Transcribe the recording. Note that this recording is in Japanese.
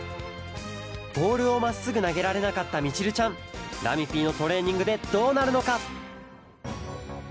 ボールをまっすぐなげられなかったみちるちゃん。ラミＰのトレーニングでどうなるのか？